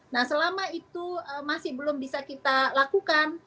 nah selama itu masih belum bisa kita lakukan